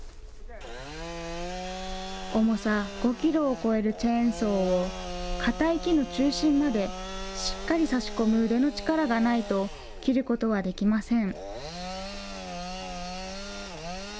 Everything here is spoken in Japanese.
重さ５キロを超えるチェーンソーを、堅い木の中心までしっかり差し込む腕の力がないと、切ることはできません。